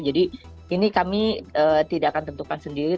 jadi ini kami tidak akan tentukan sendiri